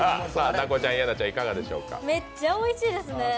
めっちゃおいしいですね。